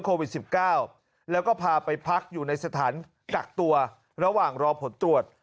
โควิด๑๙แล้วก็พาไปพักอยู่ในสถานกักตัวระหว่างรอผลตรวจ